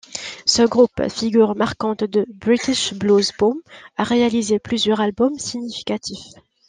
Ce groupe, figure marquante du British Blues Boom, a réalisé plusieurs albums significatifs.